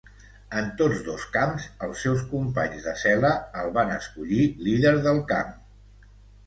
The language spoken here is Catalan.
En tots dos camps, els seus companys de cel·la el van escollir líder del camp.